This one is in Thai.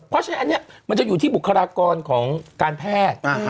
เพราะฉะนั้นอันนี้มันจะอยู่ที่บุคลากรของการแพทย์